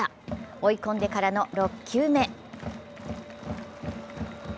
追い込んでからの６球目。